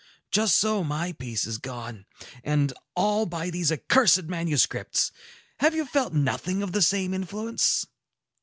Just so my peace is gone, and all by these accursed manuscripts. Have you felt nothing of the same influence?"